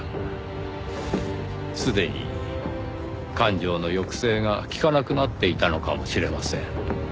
すでに感情の抑制が利かなくなっていたのかもしれません。